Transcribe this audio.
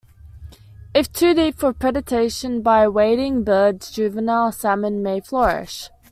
If too deep for predation by wading birds juvenile salmon may flourish.